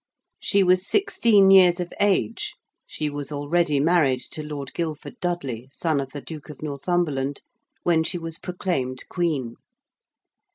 She was sixteen years of age: she was already married to Lord Guilford Dudley, son of the Duke of Northumberland: when she was proclaimed Queen.